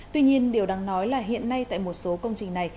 tuy nhiên điều đáng nói là hiện nay tại một số công trình này